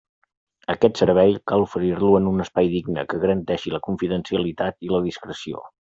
Aquest servei cal oferir-lo en un espai digne que garanteixi la confidencialitat i la discreció.